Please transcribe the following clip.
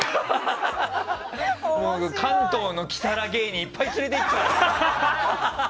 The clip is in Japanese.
関東のキサラ芸人いっぱい連れていくからな！